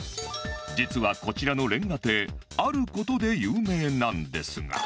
実はこちらの瓦亭ある事で有名なんですが